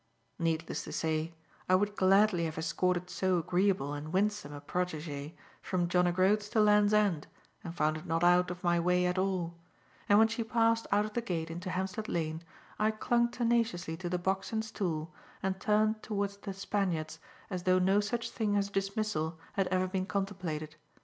Needless to say, I would gladly have escorted so agreeable and winsome a protegee from John o' Groats to Land's End and found it not out of my way at all; and when she passed out of the gate into Hampstead Lane, I clung tenaciously to the box and stool and turned towards "The Spaniards" as though no such thing as a dismissal had ever been contemplated.